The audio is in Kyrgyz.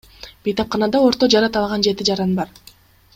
Бейтапканада орто жарат алган жети жаран бар.